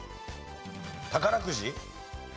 宝くじ。